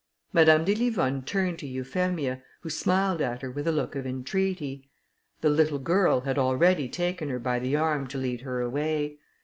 Madame de Livonne turned to Euphemia, who smiled at her with a look of entreaty; the little girl had already taken her by the arm to lead her away.